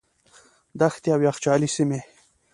دښتې او یخچالي سیمې.